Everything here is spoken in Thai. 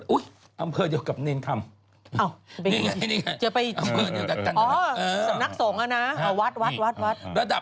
อุ๊ยอำเภอเดียวกับเนรคัมนี่ไงอ๋อสำนักส่งอ่ะนะวัด